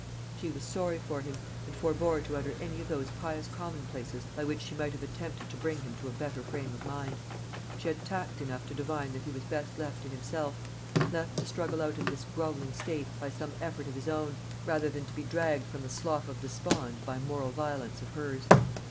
She was sorry for him, and forbore to utter any of those pious commonplaces by which she might have attempted to bring him to a better frame of mind. She had tact enough to divine that he was best left to himself left to struggle out of this grovelling state by some effort of his own, rather than to be dragged from the slough of despond by moral violence of hers.